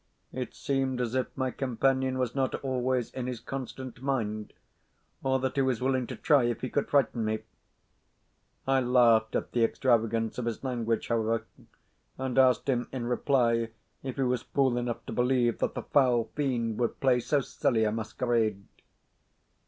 It seemed as if my companion was not always in his constant mind, or that he was willing to try if he could frighten me. I laughed at the extravagance of his language, however, and asked him in reply if he was fool enough to believe that the foul fiend would play so silly a masquerade.